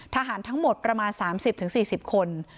ทหารทั้งหมดประมาณ๓๐๔๐คน